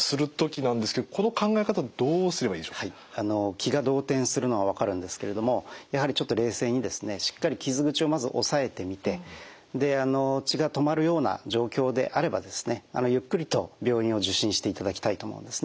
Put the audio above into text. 気が動転するのは分かるんですけれどもやはりちょっと冷静にしっかり傷口をまずおさえてみて血が止まるような状況であればゆっくりと病院を受診していただきたいと思うんですね。